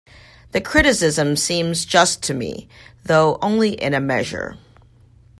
The criticism seems just to me, though only in a measure.